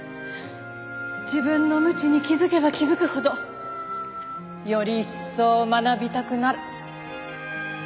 自分の無知に気づけば気づくほどより一層学びたくなる。